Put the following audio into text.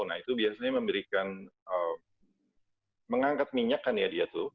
nah itu biasanya memberikan mengangkat minyak kan ya dia tuh